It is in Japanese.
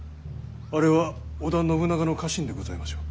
あれは織田信長の家臣でございましょう？